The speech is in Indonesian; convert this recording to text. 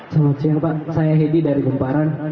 selamat siang pak saya hedi dari gemparan